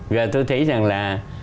và tôi thấy rằng là